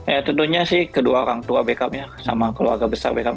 ya tentunya sih kedua orang tua beckham ya sama keluarga besar beckham